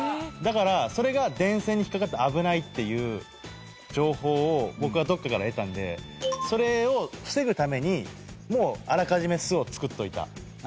だからそれが電線に引っかかって危ないっていう情報を僕はどっかから得たんでそれを防ぐためにもうあらかじめ巣を作っといた。